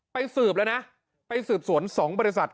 สืบแล้วนะไปสืบสวน๒บริษัท